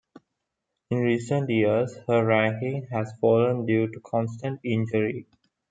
In recent years her ranking has fallen due to constant injury.